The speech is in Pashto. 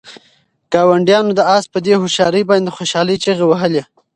ګاونډیانو د آس په دې هوښیارۍ باندې د خوشحالۍ چیغې وهلې.